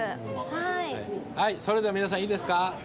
はいそれでは皆さんいいですか？